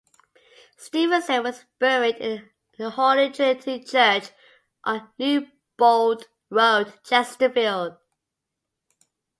Stephenson was buried in the Holy Trinity Church on Newbold Road, Chesterfield.